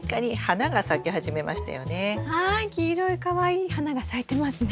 黄色いかわいい花が咲いてますね。